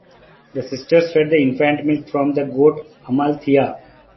The sisters fed the infant milk from the goat Amaltheia.